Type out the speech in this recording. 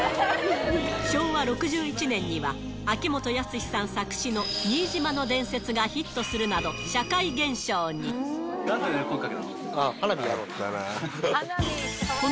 昭和６１年には、秋元康さん作詞の新島の伝説がヒットするなど、社会現象に。なんて声かけたの？